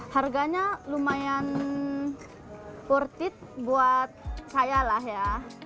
harganya lumayan kurtit buat saya lah ya